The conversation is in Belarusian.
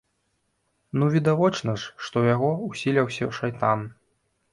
Ну відавочна ж, што ў яго ўсяліўся шайтан.